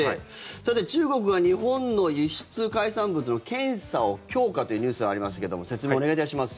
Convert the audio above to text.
さて、中国が日本の輸出海産物の検査を強化というニュースありますけど説明、お願いいたします。